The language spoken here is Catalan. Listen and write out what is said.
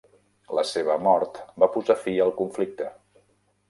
La seva mort va posar fi al conflicte.